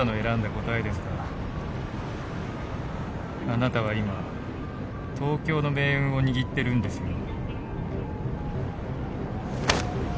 あなたは今東京の命運を握ってるんですよ。